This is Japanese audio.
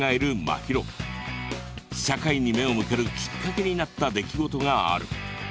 社会に目を向けるきっかけになった出来事がある。